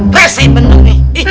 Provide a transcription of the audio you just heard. besi bener ini